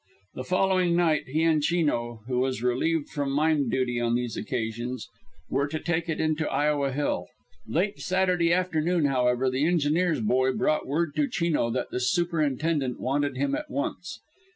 The following night he and Chino, who was relieved from mine duty on these occasions, were to take it in to Iowa Hill. Late Saturday afternoon, however, the engineer's boy brought word to Chino that the superintendent wanted him at once.